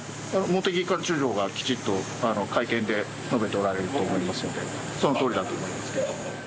茂木幹事長がきちっと会見で述べておられると思いますので、そのとおりだと思いますけど。